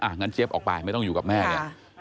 งั้นเจี๊ยบออกไปไม่ต้องอยู่กับแม่เนี่ย